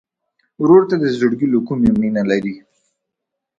ورور ته د زړګي له کومي مینه لرې.